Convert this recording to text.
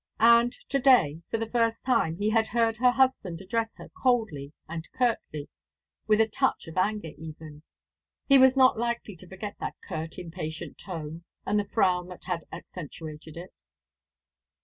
And to day, for the first time, he had heard her husband address her coldly and curtly, with a touch of anger even. He was not likely to forget that curt, impatient tone, and the frown that had accentuated it.